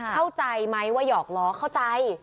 เข้าใจไหมว่าหยอกล้อเข้าใจ